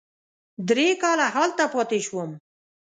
درې کاله هلته پاتې شوم.